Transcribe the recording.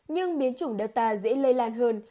nhưng biến chủng delta dễ lây lan hơn